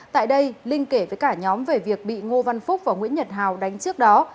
tại đây linh kể với cả nhóm về việc bị ngô văn phúc và nguyễn nhật hào đánh trước đó